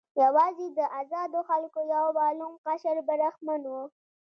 یوازې د آزادو خلکو یو معلوم قشر برخمن و.